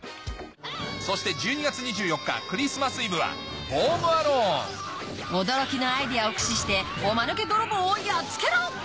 そして１２月２４日クリスマス・イブは驚きのアイデアを駆使してお間抜け泥棒をやっつけろ！